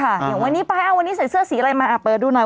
อย่างวันนี้ไปวันนี้ใส่เสื้อสีอะไรมาเปิดดูหน่อย